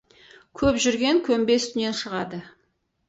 Көп жүрген көмбе үстінен шығады.